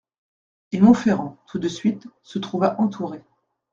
Et Monferrand, tout de suite, se trouva entouré.